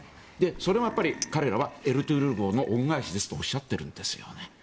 それもやっぱり彼らは「エルトゥールル号」の恩返しですとおっしゃっているんですよね。